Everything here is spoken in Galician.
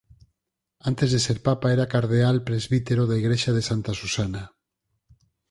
Antes de ser papa era cardeal presbítero da igrexa de Santa Susana.